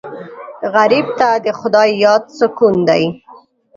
غریب ته د خدای یاد سکون دی